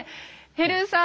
へルーさん